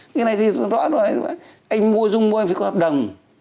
cái này thì rõ ràng là anh mua rung môi phải có hợp đồng